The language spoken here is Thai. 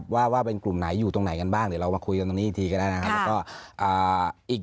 ว่าว่าเป็นกลุ่มไหนอยู่ตรงไหนกันบ้างเดี๋ยวเรามาคุยกันตรงนี้ทีก็ได้